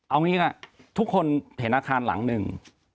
เอางี้ค่ะทุกคนเห็นอาคารหลังหนึ่ง